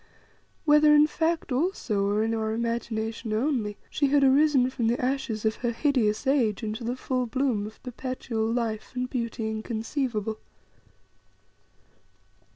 Whether in fact also, or in our imagination only, she had arisen from the ashes of her hideous age into the full bloom of perpetual life and beauty inconceivable.